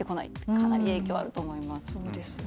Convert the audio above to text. かなり影響があると思います。